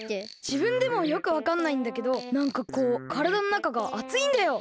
じぶんでもよくわかんないんだけどなんかこうからだのなかがあついんだよ！